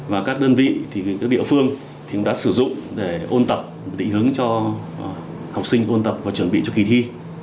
và các đơn vị thì các địa phương thì cũng đã sử dụng để ôn tập định hướng cho học sinh ôn tập và chuẩn bị cho kỳ thi